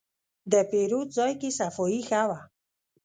د پیرود ځای کې صفایي ښه وه.